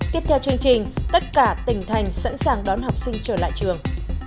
tiếp theo chương trình tất cả tỉnh thành sẵn sàng đón học sinh trở lại trường